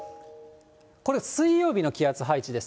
これ、水曜日の気圧配置です。